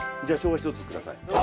じゃあ生姜１つください。